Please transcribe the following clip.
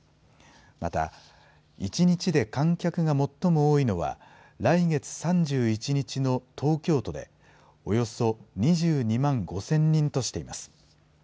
また、１日で観客が最も多いのは、来月３１日の東京都で、およそ２２万５０００人としています。